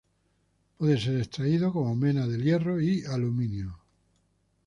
Puede ser extraído como mena del hierro y aluminio.